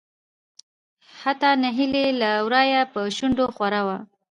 حتا نهيلي له ورايه په شنډو خوره وه .